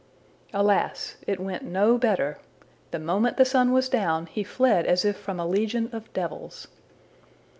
Alas! it went no better. The moment the sun was down, he fled as if from a legion of devils.